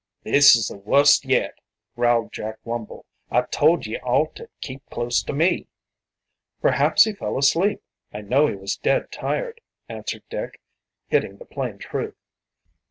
"This is the wust yet!" growled Jack Wumble. "I told ye all to keep close to me." "Perhaps he fell asleep I know he was dead tired," answered Dick, hitting the plain truth.